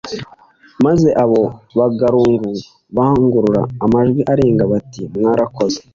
Maze abo bagaragu barangurura amajwi arenga bati mwarakoze